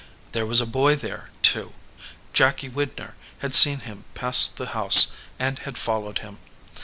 There was a boy there, too. Jacky Widner had seen him pass his house and had followed him.